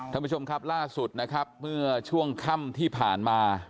ท่านผู้ชมครับล่าสุดนะครับเมื่อช่วงค่ำที่ผ่านมา